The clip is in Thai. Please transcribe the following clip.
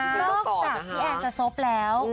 นอกจากพี่แอนจะซบแล้ว